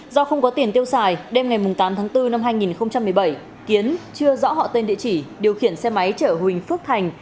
do không có tiền tiêu xài đêm ngày tám tháng bốn năm hai nghìn một mươi bảy kiến chưa rõ họ tên địa chỉ điều khiển xe máy chở huỳnh phước thành